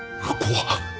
怖っ！